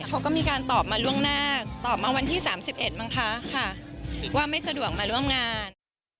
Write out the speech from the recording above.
เขาก็มีการตอบมาล่วงหน้าตอบมาวันที่๓๑มั้งคะค่ะว่าไม่สะดวกมาร่วมงาน